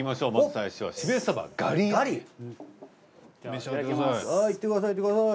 召し上がってください。